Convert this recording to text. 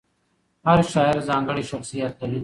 هر شاعر ځانګړی شخصیت لري.